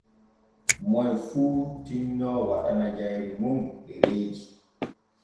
Moy fu tinno waɗana jayri mun ɗereeji.